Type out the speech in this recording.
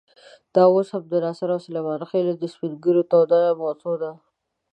دا اوس هم د ناصرو او سلیمان خېلو د سپین ږیرو توده موضوع ده.